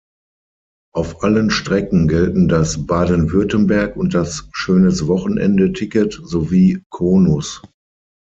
Auf allen Strecken gelten das Baden-Württemberg- und das Schönes-Wochenende-Ticket sowie Konus.